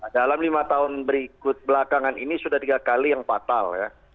dalam lima tahun berikut belakangan ini sudah tiga kali yang fatal ya